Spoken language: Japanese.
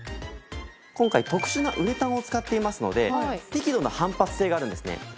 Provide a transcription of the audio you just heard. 今回特殊なウレタンを使っていますので適度な反発性があるんですね。